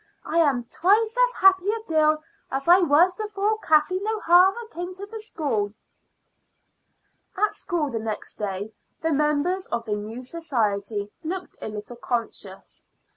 I am twice as happy a girl as I was before Kathleen O'Hara came to the school." At school next day the members of the new society looked a little conscious.